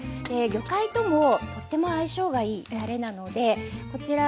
魚介ともとても相性がいいたれなのでこちら